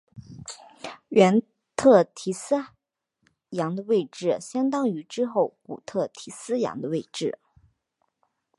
原特提斯洋的位置相当于之后古特提斯洋的位置。